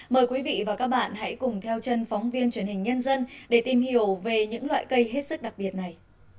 mời quý vị và các bạn hãy cùng theo chân phóng viên truyền hình nhân dân để tìm hiểu về những loại cây hết sức đặc biệt này